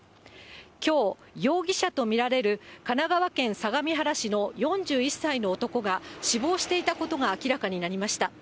きょう、容疑者と見られる、神奈川県相模原市の４１歳の男が、死亡していたことが明らかになりました。